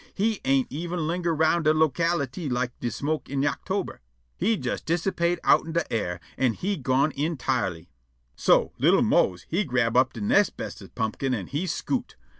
He ain't even linger round dat locality like de smoke in Yoctober. He jes dissipate' outen de air, an' he gone _in_tirely. So li'l' Mose he grab' up de nex' bestest pumpkin an' he scoot'.